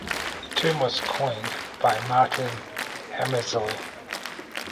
The term was coined by Martyn Hammersley.